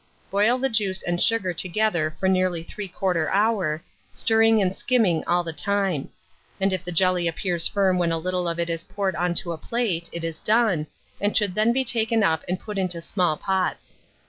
Boil the juice and sugar together for nearly 3/4 hour, stirring and skimming all the time; and if the jelly appears firm when a little of it is poured on to a plate, it is done, and should then be taken up and put into small pots.